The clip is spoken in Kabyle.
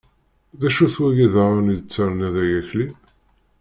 D acu-t wagi diɣen i d-terniḍ ay Akli?